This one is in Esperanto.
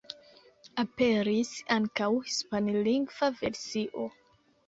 Aperis ankaŭ hispanlingva versio.